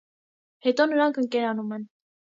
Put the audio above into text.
Հետո նրանք ընկերանում են։